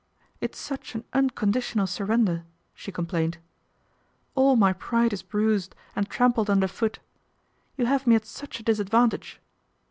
"It's such an unconditional surrender," she complained. "All my pride is bruised and trampled underfoot. You have me at such a dis advantage."